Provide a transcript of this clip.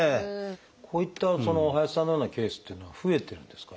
こういった林さんのようなケースっていうのは増えてるんですか？